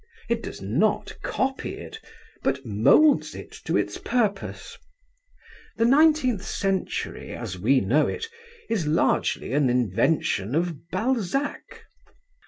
It does not copy it, but moulds it to its purpose. The nineteenth century, as we know it, is largely an invention of Balzac.